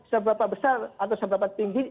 seberapa besar atau seberapa tinggi